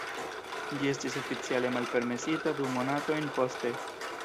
Ĝi estis oficiale malpermesita du monatojn poste.